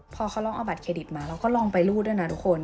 พอเขาลองเอาบัตรเครดิตมาเราก็ลองไปรูดด้วยนะทุกคน